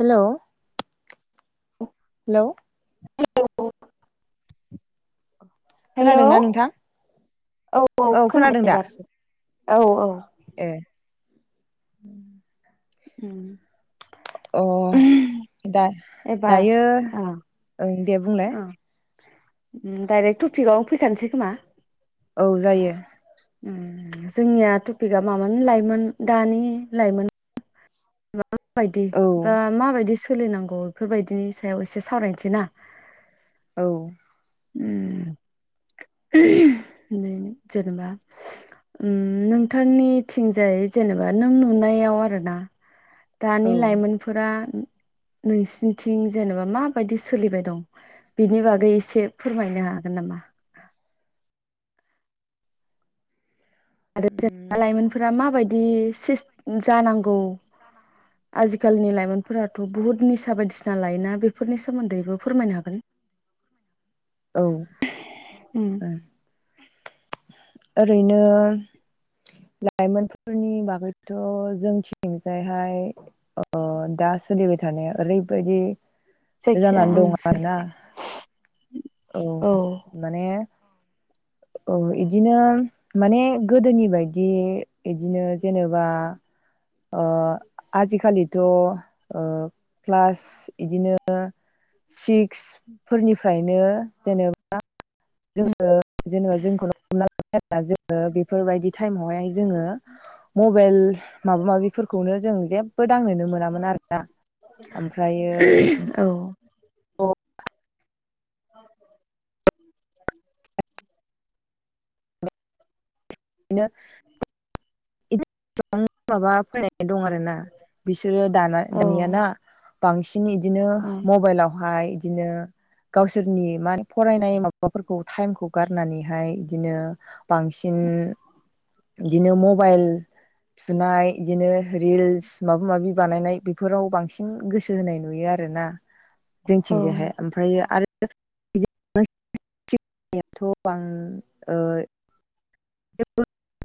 हेल'। हेल'। [unintelligible] हेल' औ खोनादोंना नोंथां? औ खोनादों खोनदो दा दासो। औ औ। ए। [inaudible] [inaudible] अ दा एबार दायो औ ओं दे बुंलाय। औ डाइरेक्ट टफिकआवनो फैखानोसै खोमा औ जायो। जोंनिया टपिकआ मामानो लाइमोन दानि लाइमोन। माबायदि औ ओ माबायदि सोलिनांगौ बेफोरबायदिनि सायाव एसे सावरायनोसैना। औ। जेनेबा नोंथांनिथिंजाय जेनेबा नों नुनायाव आरो ना। दानि औ लाइमोनफोरा। नोंसिनिथिं जेनेबा माबायदि सोलिबाय दं बेनि बागै एसे। फोरमायनो हागोन नामा। आरो उम जेनेबा लाइमोनफोरा माबायदि जानांगौ आजिखालिनि लाइमोनफोराथ' बुहुत निसा बायदिसिना लायोना बे। बेफोरनि सोमोन्दैबो फोरमायनो हागोन। औ उम। ओरैनो लाइमोनफोरनि बागैथ' जोंथिंजायहाय अ दा सोलिबाय थानाया ओरै बायदि। जायखिजाया जानानै ओं दङ सोलो आरोना औ माने इदिनो माने गोदोनि बायदि इदिनो जेनेबा आजिखालिथ' क्लास इदिनो सिक्स फोरनिफ्रायनो जेनेबा जोङो जेनेबा जोंखौ हमना [unintelligible] बेफोरबायदि टाइमावहाय जोङो मबाइल माबा माबिफोरखौनो जों जे बो दांनोनो मोनामोन आरोना ओमफ्रायो औ [unintelligible] औ बिनो माबा फैनाय दं आरो ना बिसोरो दाना औ दानियाना बांसिन बिदिनो औ इदिनो मबाइलावहाय। बिदिनो गावसोरनि मा फरायनाय माबाफोरखौ टाइमखौ गारनानैहाय बिदिनो। बांसिन बिदिनो मबाइल। फुनाय बिदिनो रिल्स माबा माबि बानायनाय बे बे फोराव बांसिन गोसो होनाय नुयो आरोना। औ जोंथिंजायहाय ओमफ्रायो आरो सिनायथ'बां ओ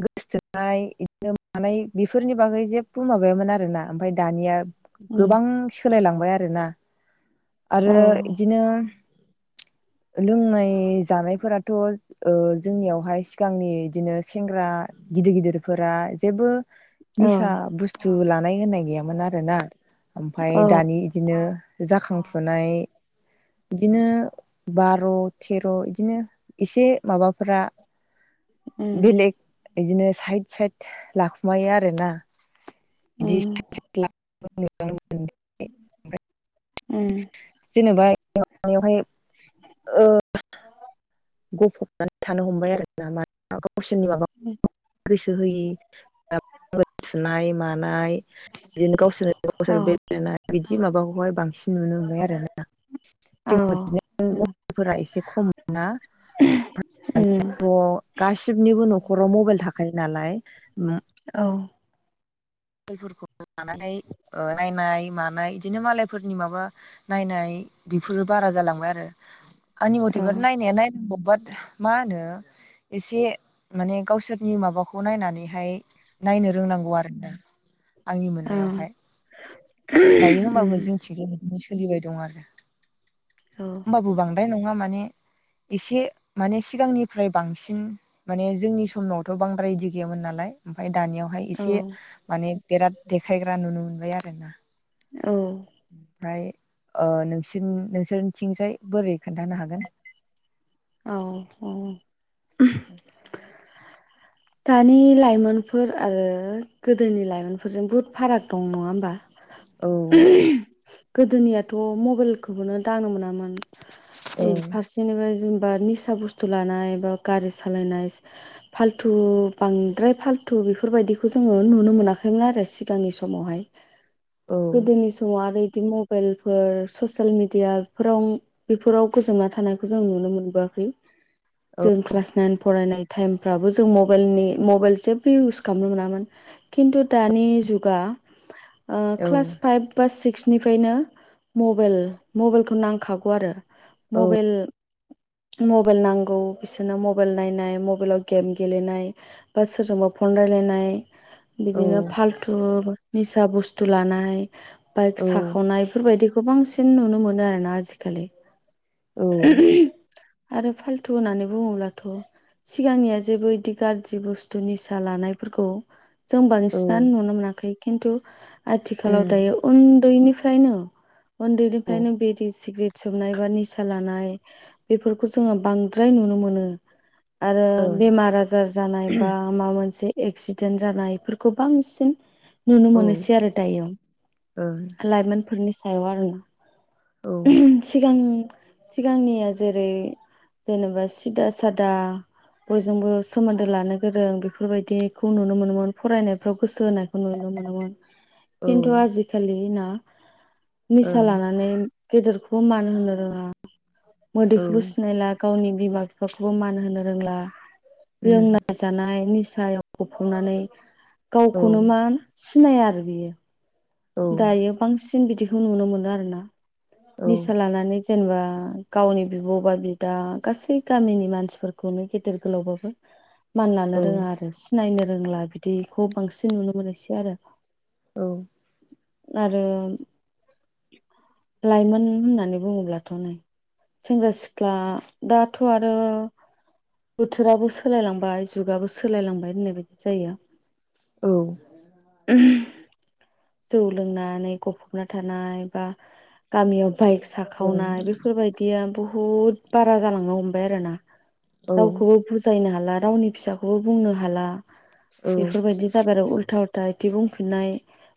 गोसथोननाय बिदिनो मानाय बेफोरनि बागै जेबो माबायामोन आरोना ओमफफ्राय दानिया उम गोबां सोलायलांबाय आरोना। आरो औ इदिनो लोंनाय जानायफोराथ' जोंनियावहाय सिगांनि बिदिनो सेंग्रा गिदिर गिदिरफोरा जेबो औ निसा बुस्थु ला नाय होननाय गैयामोन आरोना। ओमफ्राय औ दानि बिदिनो जाखां फुनाय बिदिनो बा बार थेर' बिदिनो। इसे माबाफोरा उम बेलेक बिदिनो साइद साइद लाखुमायो आरोना। औ बिदि [unintelligible] उ [inaudible] उम बेवहाय ओ गफबनानै थानो हमबाय आरोना कसननि माव गोसो होयि हाइ मानाय बिदिनो गावसोरनो गावसोर औ बेेनाय बिदि माबाखौहाय बां एसे नुनो मोनबाय आरोना औ गदि उम मफोरा एसे खम मोना [unintelligible] उम गासिनिबो न'खराव मबाइल थाख थाखायो नालाय उम औ मालायफोरखौ लानानै ओ नायनाय मानाय बिदिनो मालायफोरनि माबा नायनाय बेफोरो बारा जालांबाय आरो आंनि मथेफोर नाया नायनांगौ। बाट मा होनो एसे माने गावसोरनि माबाखौ नायनानैहाय नायनो रोंनांगौ आरोना।। आंनि ओं मोननायावहाय दायो होमबाबो उम जोंथि सोलिबाय दं आरो औ होमबाबो बांद्राय नङा। माने एसे माने सिगांनिफ्राय बांसिन माने जोंनि समनावथ' बांद्राय बिदि गैयामोन नालाय ओमफ्राय दानियावहाय औ एसे बिराद देखायग्रा नुनो मोनबाय आरोना। औ ओमफ्राय ओ नोंसोरनि नोंसोरनिथिंजाय बोरै खोन्थानो हागोन। औ औ [inaudible] दानि लाइमोनफोर आरो गोदोनि लाइमोनफोरजों बहुत फाराग दं नङा होमबा। औ गोदोनियाथ' मबाइलखौनो दांनो मोना मोन औ फारसेनिफ्राय बा निसा बुस्थु लानाय बा गारि सालायनाय फाल थु बांद्राय फाल्थु बेफोरबायदिखौ जोङो नुनो मोनाखैमोन आरो सिगांनि समावहाय। औ गोदोनि सङाव आरो बि मबाइल फोर ससेल मिडियााव बेफोराव गोजोनना थानायखौ जों नुनो मोनबोआखै जों क्लास नाइन फरायनाय टाइमफ्राबो जों मबाइलनि मबाइल जेबो इउस खालामनो मोनामोन खिन्थु दानि जुगा ओ औ क्लास फाइभ बा सिक्स बिनिफ्रायनो मबेल मबाइलखौ नांखागौ आरो मबाइल मबाइल नांगौ बिसोरना मबाइल नायनाय मबाइलाव गेम गेलेनाय बा सोरजोंबा फन राय्लायनाय बिदिनो फालथु निसा बुस्थु लानाय बाइक औ साखावनाय एफोरबायदि खो बांसिन नुनो मोनो आरो ना आजिखालि। औ। आरो फालथु होननानै बुङोब्लाथ' सिगांनिया जेबो इदि गाज्रि बुस्थु निसा लानायफोरखौ जों औ बांसिनानो नुनो मोनाखै। खिन्थु आथिखालाव उम दायो उन्दैनि फ्रायनो औ उन्दैनिफायनो बिरि सिग्रित सोबनाय बा निसा लानाय बेफोरखौ जोङो बांद्राय नुनो मोनो आरो ओं बेमार आजार जानाय बा माबा मोनसे एक्सिडेन्ट जानायफोरखौ बांसिन नुनो औ ओं मोनोसै आरो दायो। औ लाइमोनफोरनि सायाव आरोना। सिगां सिगांनिया जेरै जेनेबा सिदा सादा बयजोंबो सोमोन्दो लानो गोरों बेफोरबायदिखौ नुनो मोनोमोन, फरायनायफ्राव गोसो होनायखौ नुनो मोनोमोन। खिन्थु ओं आजिखालि ना औ निसा लानानै गेदेरखौ मान होनो रोङा। मोदैखौबो सिनायला गावनि बिमा बिफाखौबो मान होनो रोंला। उम लोंना जानाय निसा सायाव गफबनानै औ गावखौनो मान सि नाया आरो बियो। औ दायो बांसि इन बिदिखौ नुनो मोनो आरोना। औ निसा लानानै जेनेबा गावनि बिब' बा बिदा गासै गामिनि मानसिफोरखौनो गेदेर गोलावबाबो मानलानो रोङा आरो सिनायनो रोंला बिदिखौ बांसिन नुनो मोनोसै आरो औ आरो लाइमोन होननानै बुङोब्लाथ' नो सेंग्रा सिख्ला दा थ' आरो बोथोराबो सोलायलांबाय जुगाबो सोलायलांबाय होननाय बायदि जायो। औ [unintelligible] जौ लोंनानै गफबना थानाय बा गामियाव बाइक औ ओं साखावनाय बेफोरबायदिया बुहु हुद बारा जालांनो हमबाय आरो ना औ रावखौबो बुजायनो हाला गावनि फिसाखौबो बुंनो हाला जायोथार बेफोरबायदि जाबाय आरो उल्था उ ल्था इदि बुंफिननाय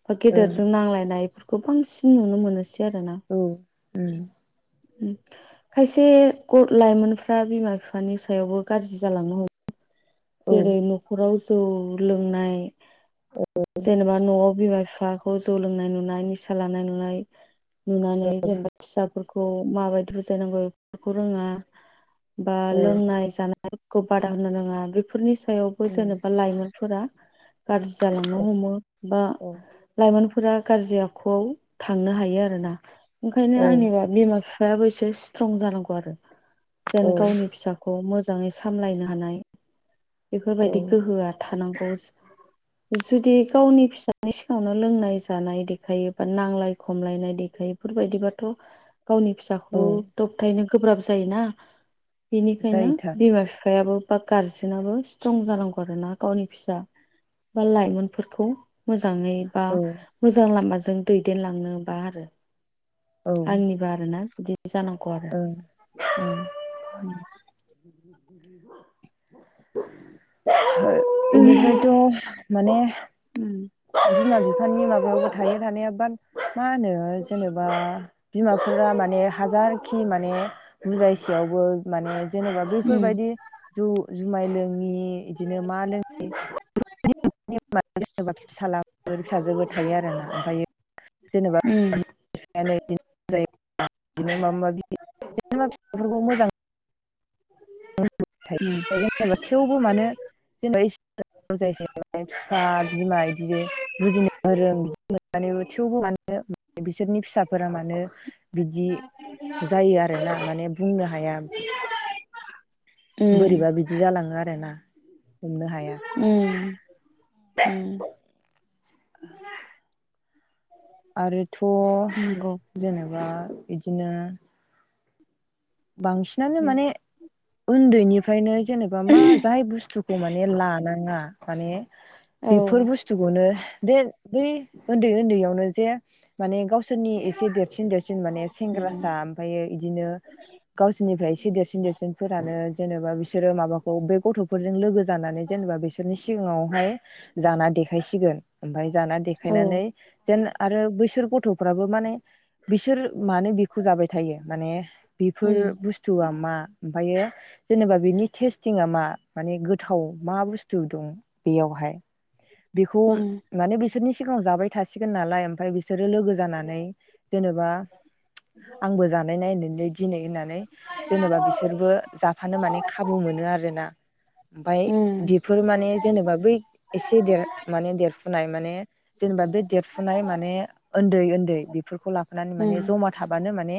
बा गेदेरजों नांलायनाय खौ बांसिन नुनो मोनोसै आरोना औ उम खायसे ग लाइमोनफ्रा बिमा बिफानि सायावबो गाज्रि जालांनो हमो औ जेरै न'खराव जौ लोंनाय जेनेबा न'आव बिमा बिफाखौ जौ लोंनाय नुनाय, निसा लानाय नुनाय नुनानै जेनेबा फिसाफोर खौ माबायदि बुजायनांगौ बेफोरखौ रोङा बा लोंनाय जानाय खौ बादा होनो नाङा बे फोरनि सायावबो जेनेबा लाइमोनफोरा गाज्रि जालांनो हमो बा औ लाइमोन फोरा गाज्रि आखुआव थांनो हायो आरो ना ओंखायनो आंनिबा बिमा बि दाबो एसे स्ट्रं जानांगौ आरो जेन गावनि फिसाखौ मो जाङै सामलायनो हानाय बेफोरबायदि गोहोआ थानांगौ जुदि गावनि फिसानि सिगाङावनो लोंनाय जानाय देखायो बा नांलाय खमलायनाय देखायो बेफोरबायदिबाथ गावनि फिसाखौबो दबथायनो गोब्राब जायोना। बेनिखायनो बिमा फिफायाबो बा गारजेनाबो स्ट्रं जानांगौ आरोना गावनि फिसा बा लाइमोनफोरखौ मोजां मोजाङै बा मोजां लामाजों जों दैदेनलांनोबा आरो। आंनि बा आरो‌ ना। जानांगौ आरो। ओं [unintelligible] इनिफ्रायथ माने उम बिमा बिफानि माबायावाबो थायो थानाया बा मा होनो जेनेबा बिमाफोरा माने हाजार खि माने बुजायसेयावबो माने जेनेबा उम बैफोरबायदि जौ जुमाय लोङि इदिनो मा लोङि जा [unintelligible] जेनेबा फिसालाबो फिसाजोबो थायो आरो ना ओमफ्रायायो जेनेबा [unintelligible] [unintelligible] माबा माबि बिमा फिफाफोरखौ मोजांयै जेनेबा थेवबो मानो जेनेबा [unintelligible] बिफा बिमा इदिनो बुजिनो गोरों नानैबो थेवबो मानो बिसोरनि फिसाफोरा मानो बिदि जायो आरोना माने बुंनो हाया। उम बोरैबा बिदि जालाङो आरोना। हमनो हाया उम उम। आरोथ नंगौ जेनेबा बिदि बिदिनो बांसिनानो माने उन्दैनिफ्रायनो जेनेबा मा जाय बुस्थु खौ माने लानाङा माने औ बेफोर बुस्थुखौनो देद देह उन्दै उन्दैयावनो जे माने गावसोरनि एसे देरसिन देरसिन माने सेंग्रासा ओमफायो बिदिनो गावसोरनिफ्राय इसे देरसिन देरसिन फोरानो जेनेबा बिसोरो माबाखौ बे गथफोरजों लोगो जानानै जेनेबा बिसोरनि सिगाङावहाय जाना देखायसिगोन ओमफाय जाना औ देखायनानै जेन आरो बैसोर गथ'फ्राबो माने बिसोर मानो बिखौ जाबाय थायो मानेह बेफोर उम बुस्थुआ मा ओमफायो जेनेबा बेनि टेस्टिङा मा माने गोथाव मा बुस्थु दं बेयावहाय बेखौ उम माने बिसोरनि सिगाङाव जाबाय थसिगोन नालाय ओमफाय बिसोरो लोगो जानानै जेनेबा आंबो जानाय नायनायनो दिनै होननानै जेनेबा बिसोरबो जाफानो माने खाबु मोनो आरोना ओमफाय उम बेफोर माने जेनेबा बै एसे देर माने देरफु नाय माने जेनेबा बे देरफुनाय माने ओन्दै ओन्दै बेफोरखौ लाफानानै माने उम जमा थाबानो माने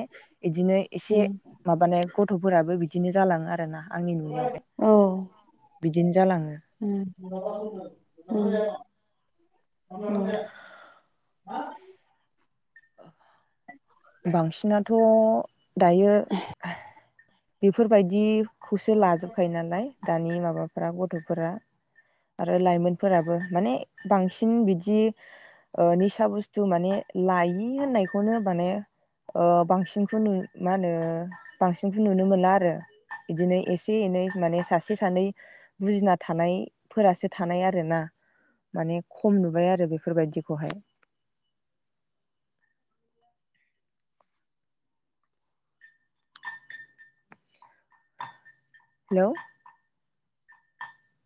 इदिनो एसे उम माबानाय गथ'फोराबो बिदिनो जालाङो आरोना आंनि नुनायावहाय [unintelligible] औ बिदिनो जालाङो उम [unintelligible] उम [unintelligible] उम [unintelligible] थ' दायो ओ बेफोरबायदि खौसो लाजोबखायो नालाय दानि माबा फोरा गथ'फोरा आरो लाइमोनफोराबो माने बांसिन बिदि ओ निसा बुस्थु माने लायि होननायखौनो माने ओ बांसिनखौ नु मा होनो बांसिनखौ नुनो मोना आरो इदिनो एसे एनै माने सासे सानै बुजिना थानायफोरासो थानाय आरोना माने खम नुबाय आरो बेफोरबायदिखौहाय हेलौ